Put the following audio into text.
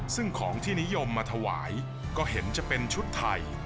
ซึ่งของที่นิยมมาถวายก็เห็นจะเป็นชุดไทย